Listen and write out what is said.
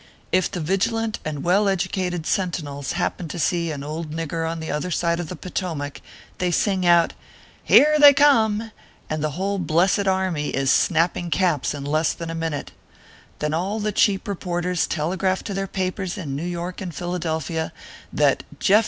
If the vigilant and well educated sentinels happen to see an old nigger on the other side of the Potomac, they sing out, "Here they come!" and the whole blessed army is snapping caps in less than a minute. Then all the cheap reporters telegraph to their papers in New York and Philadelphia, that " Jeff.